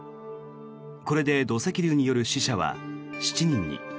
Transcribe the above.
これで土石流による死者は７人に。